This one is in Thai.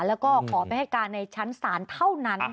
แล้วก็ขอไปให้การในชั้นศาลเท่านั้น